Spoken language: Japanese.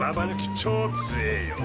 超強えよ。